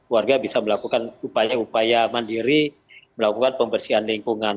warga bisa melakukan upaya upaya mandiri melakukan pembersihan lingkungan